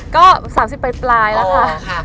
ก็๓๐ปลายแล้วค่ะ